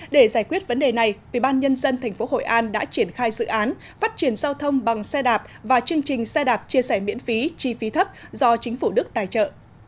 để giải quyết vấn đề này ubnd tp hội an đã triển khai dự án phát triển giao thông bằng xe đạp và chương trình xe đạp chia sẻ miễn phí chi phí thấp do chính phủ đức tài trợ